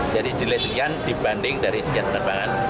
jadi delay sekian dibanding dari sekian penerbangan